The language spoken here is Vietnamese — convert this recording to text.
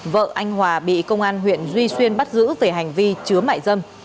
vợ anh hòa bị công an huyện duy xuyên bắt giữ về hành vi chứa mại dâm